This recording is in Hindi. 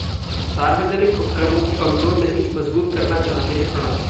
सार्वजनिक उपक्रमों को कमजोर नहीं मजबूत करना चाहते हैं: प्रणब